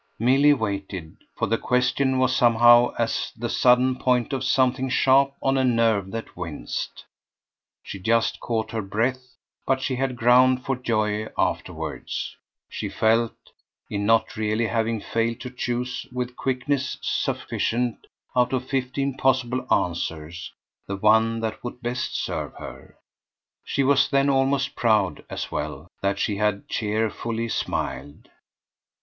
Milly waited, for the question was somehow as the sudden point of something sharp on a nerve that winced. She just caught her breath, but she had ground for joy afterwards, she felt, in not really having failed to choose with quickness sufficient, out of fifteen possible answers, the one that would best serve her. She was then almost proud, as well, that she had cheerfully smiled.